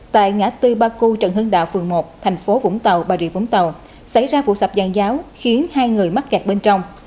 tại ngã tư ba cư trần hưng đạo phường một thành phố vũng tàu bà rịa vũng tàu xảy ra vụ sập giàn giáo khiến hai người mắc kẹt bên trong